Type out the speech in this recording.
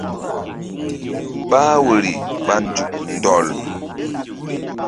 Bah woyri ɓa nzuk ɗɔl.